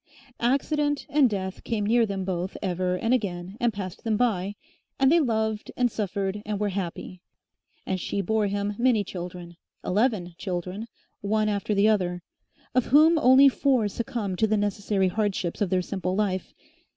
Accident and death came near them both ever and again and passed them by, and they loved and suffered and were happy, and she bore him many children eleven children one after the other, of whom only four succumbed to the necessary hardships of their simple life.